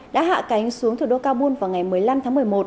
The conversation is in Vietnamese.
đã hạ cánh xuống thủ đô kabul vào ngày một mươi năm tháng một mươi một